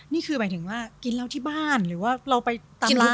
นี่คือหมายถึงว่ากินเหล้าที่บ้านหรือว่าเราไปตาม